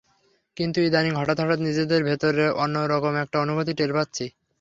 কিন্তু ইদানীং হঠাৎ হঠাৎ নিজের ভেতর অন্য রকম একটা অনুভূতি টের পাচ্ছি।